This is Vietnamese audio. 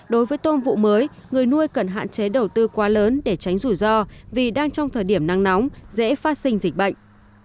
đối với tôm vụ mới người nuôi cần hạn chế đầu tư quá lớn để tránh rủi ro vì đang trong thời điểm nắng nóng dễ phát sinh dịch bệnh